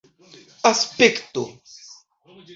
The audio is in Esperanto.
aspekto